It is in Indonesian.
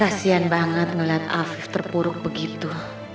kasian banget ngeliat af terpuruk begitu